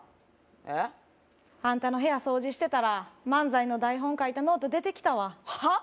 えっ？あんたの部屋掃除してたら漫才の台本書いたノート出てきたわはっ？